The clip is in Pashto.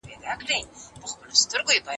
- رونق نادری، شاعر او ليکوال.